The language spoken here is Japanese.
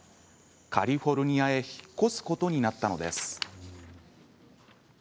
カリフォルニアへ引っ越すことになったのです。